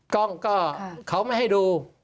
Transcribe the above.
กล้องก็เขาไม่ให้ดู